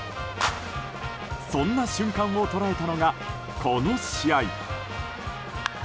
そんな瞬間を捉えたのがこの試合。